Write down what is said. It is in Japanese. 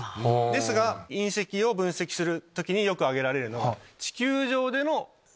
ですが隕石を分析する時によく挙げられるのは。